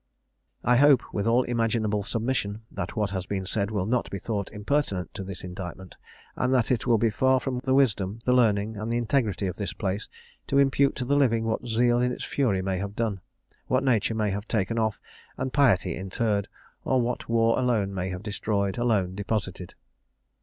"I hope, with all imaginable submission, that what has been said will not be thought impertinent to this indictment; and that it will be far from the wisdom, the learning, and the integrity of this place, to impute to the living what zeal in its fury may have done what nature may have taken off, and piety interred or what war alone may have destroyed, alone deposited.